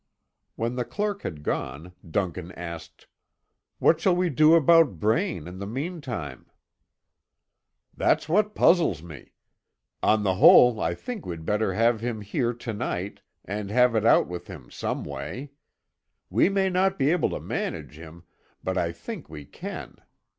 When the clerk had gone, Duncan asked: "What shall we do about Braine, in the mean time?" "That's what puzzles me. On the whole, I think we'd better have him here to night, and have it out with him some way. We may not be able to manage him, but I think we can.